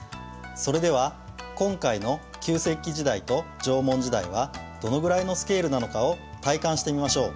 それでは今回の旧石器時代と縄文時代はどのぐらいのスケールなのかを体感してみましょう。